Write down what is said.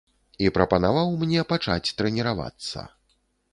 І прапанаваў мне пачаць трэніравацца.